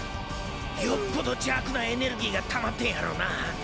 よっぽど邪悪なエネルギーがたまってんやろな。